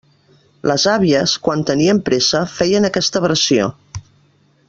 Les àvies, quan tenien pressa, feien aquesta versió.